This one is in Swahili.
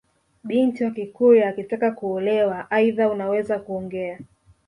Binti wa kikurya akitaka kuolewa aidha unaweza kuongea